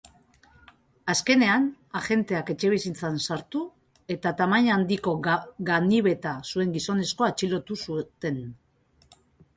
Azkenean, agenteak etxebizitzan sartu eta tamaina handiko ganibeta zuen gizonezkoa atxilotu zuten.